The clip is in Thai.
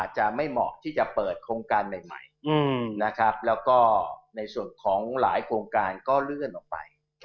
จะไม่เหมาะที่จะเปิดโครงการใหม่นะครับแล้วก็ในส่วนของหลายโครงการก็เลื่อนออกไป